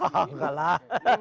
ah benar lah